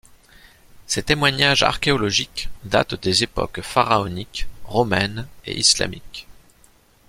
Ces témoignages archéologiques datent des époques pharaonique, romaine et islamique.